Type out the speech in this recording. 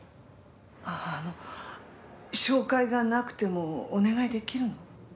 「あの紹介がなくてもお願いできるの？」